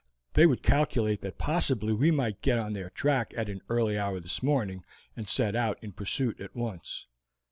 They would calculate that possibly we might get on their track at an early hour this morning, and set out in pursuit at once.